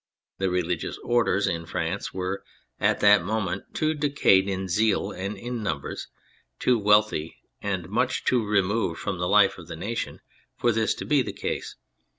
The religious orders in France were at that moment too decayed in zeal and in numbers, too wealthy and much too removed from the life of the nation, for this to be the case.